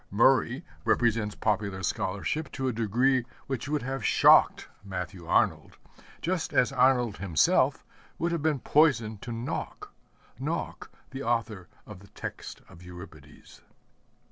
Murray represents popular scholarship to a degree which would have shocked Matthew Arnold, just as Arnold himself would have been poison to Nauck Nauck the author of the text of Euripides.